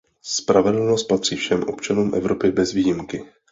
Spravedlnost patří všem občanům Evropy bez výjimky.